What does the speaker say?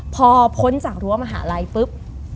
พอพ้นจากรั้วมหาลัยปุ๊บ